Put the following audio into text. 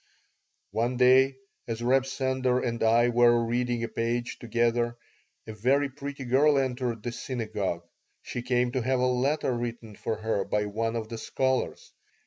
One day, as Reb Sender and I were reading a page together, a very pretty girl entered the synagogue. She came to have a letter written for her by one of the scholars.